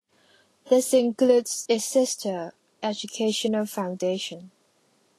This includes its sister educational foundation.